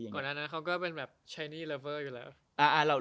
ก่อนนั้นนะเขาก็เป็นรูปสาธารณีใจหัวแล้ว